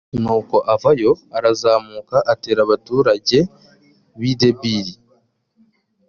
nuko avayo arazamuka atera abaturage b’i debiri